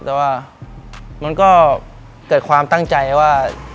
แต่ว่ามันก็เกิดความตั้งใจว่า